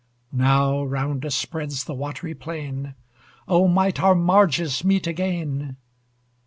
Now round us spreads the watery plain Oh, might our marges meet again!